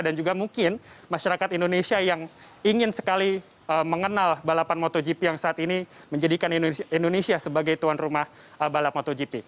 dan juga mungkin masyarakat indonesia yang ingin sekali mengenal balapan motogp yang saat ini menjadikan indonesia sebagai tuan rumah balap motogp